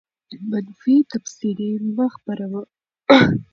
منفي تبصرې مه خپروه.